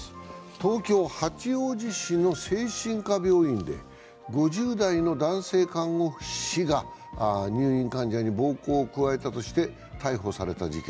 東京・八王子市の精神科病院で５０代の男性看護師が入院患者に暴行を加えたとして逮捕された事件。